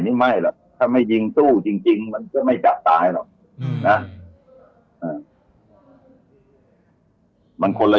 นี่ไม่หรอกถ้าไม่ยิงสู้จริงมันก็ไม่กัดตายหรอกนะ